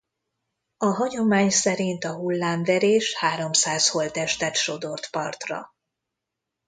A hagyomány szerint a hullámverés háromszáz holttestet sodort partra.